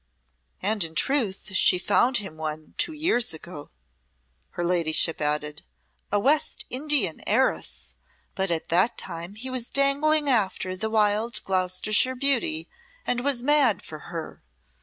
"And in truth she found him one, two years ago," her Ladyship added, "a West Indian heiress, but at that time he was dangling after the wild Gloucestershire beauty and was mad for her.